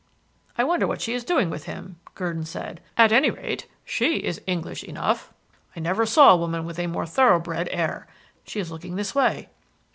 "I wonder what she is doing with him?" Gurdon said. "At any rate, she is English enough. I never saw a woman with a more thoroughbred air. She is looking this way."